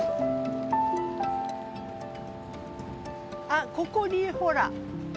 あっここにほら。